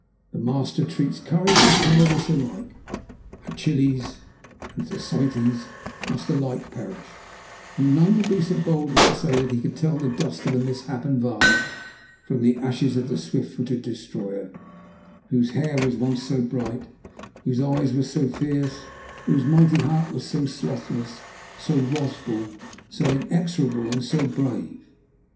The master treats courage and cowardice alike; Achilles and Thersites must alike perish, and none will be so bold as to say that he can tell the dust of the misshapen varlet from the ashes of the swift footed destroyer, whose hair was once so bright, whose eyes were so fierce, whose mighty heart was so slothless, so wrathful, so inexorable and so brave.